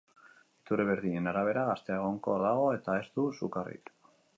Iturri berdinen arabera, gaztea egonkor dago eta ez du sukarrik.